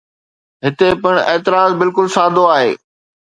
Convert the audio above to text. هتي پڻ اعتراض بلڪل سادو آهي.